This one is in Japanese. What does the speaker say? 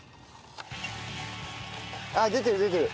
あっ出てる出てる。